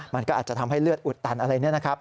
มันก็อาจจะทำให้เลือดอุดตันอะไรเนี่ยนะครับ